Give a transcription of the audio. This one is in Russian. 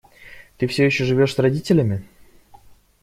Ты все еще живешь с родителями?